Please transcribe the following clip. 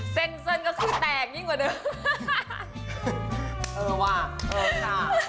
เซ็นเซินก็คือแตกยิ่งกว่าเดิม